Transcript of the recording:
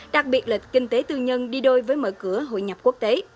đặc biệt là kinh tế tư nhân đi đôi với mở cửa hội nhập quốc tế